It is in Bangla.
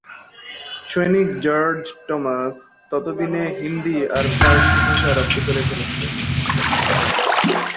সৈনিক জর্জ টমাস ততদিনে হিন্দি আর ফার্সি ভাষা রপ্ত করে ফেলেছিলেন।